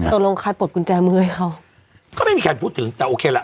ตกลงใครปลดกุญแจมือให้เขาก็ไม่มีใครพูดถึงแต่โอเคล่ะ